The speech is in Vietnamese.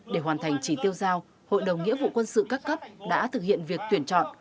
để hoàn thành chỉ tiêu giao hội đồng nghĩa vụ quân sự các cấp đã thực hiện việc tuyển chọn